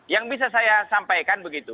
yang bisa saya sampaikan begitu